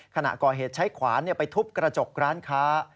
ขณะก่อเหตุใช้ขวานไปทุบกระจกร้านค้า